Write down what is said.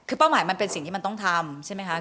คือเป้าหมายมันเป็นสิ่งที่มันต้องทำใช่ไหมคะ